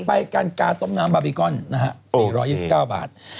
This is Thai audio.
ไปกันกาต้มน้ำบาร์บีกอนนะฮะ๔๒๙บาท